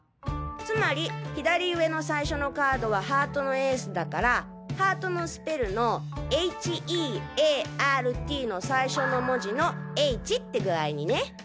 つまり左上の最初のカードはハートのＡだからハートのスペルの「ＨＥＡＲＴ」の最初の文字の「Ｈ」って具合にね！